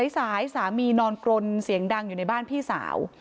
สายสามีนอนกรนเสียงดังอยู่ในบ้านพี่สาว